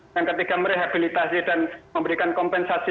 yang ketiga merehabilitasi dan memberikan kompensasi